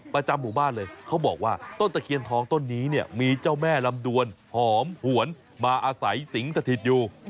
ประจำหมู่บ้านเลยเขาบอกว่าต้นตะเคียนทองต้นนี้เนี่ยมีเจ้าแม่ลำดวนหอมหวนมาอาศัยสิงสถิตอยู่